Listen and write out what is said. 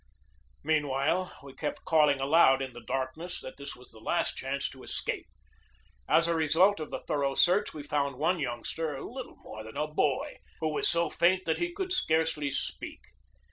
Meanwhile, we kept calling aloud in the darkness that this was the last chance to escape. As a result of the thorough search, we found one youngster, little more than a boy, who was so faint that he could scarcely speak.